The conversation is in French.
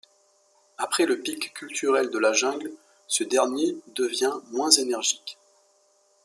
Après le pic culturel de la jungle, ce dernier devient moins énergique.